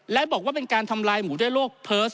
และบอกว่าเป็นการทำลายหมูด้วยโรคเพิร์ส